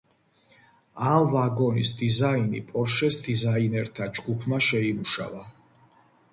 ამ ვაგონის დიზაინი პორშეს დიზაინერთა ჯგუფმა შეიმუშავა.